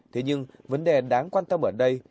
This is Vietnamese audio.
thế nhưng vấn đề đáng quan tâm ở đây